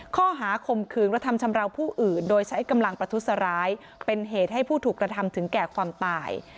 ข้อหาคมคืนกระทำชำราวผู้อื่นโดยใช้กำลังประทุษร้ายเป็นเหตุให้ผู้ถูกกระทำถึงแก่ความตาย